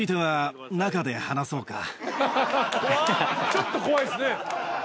ちょっと怖いっすね。